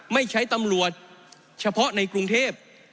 ไม่ใช้ตำรวจเฉพาะในกรุงเทพ